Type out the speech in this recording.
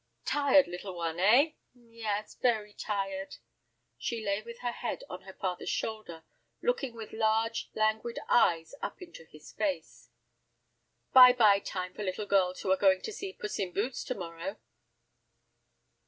"Tired, little one, eh?" "Yes, very tired." She lay with her head on her father's shoulder, looking with large, languid eyes up into his face. "By bye time for little girls who are going to see 'Puss in Boots' to morrow."